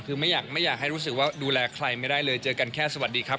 คือไม่อยากไม่อยากให้รู้สึกว่าดูแลใครไม่ได้เลยเจอกันแค่สวัสดีครับ